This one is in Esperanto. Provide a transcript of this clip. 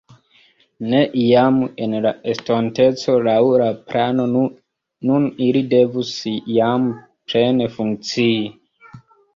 Ne iam en la estonteco laŭ la plano nun ili devus jam plene funkcii.